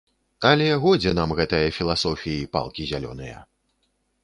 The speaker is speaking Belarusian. Але годзе нам гэтае філасофіі, палкі зялёныя!